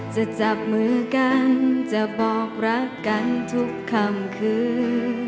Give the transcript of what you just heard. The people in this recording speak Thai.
จะจับมือกันจะบอกรักกันทุกคำคืน